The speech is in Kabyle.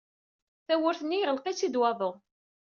Tawwurt-nni yeɣleq-itt-id waḍu.